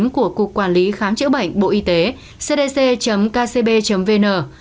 của cục quản lý khám chữa bệnh bộ y tế cdc kcb vn